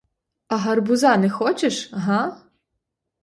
А гарбуза не хочеш? га?